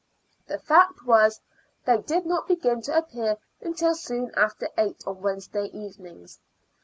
The fact was, they did not begin to appear until soon after eight on Wednesday evenings.